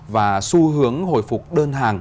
và xu hướng hồi phục đơn hàng